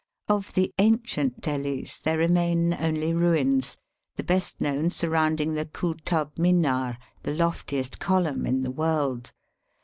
Of the ancient Delhis there remain only ruins, the best known surrounding the Kootub Minar, the loftiest column in the world.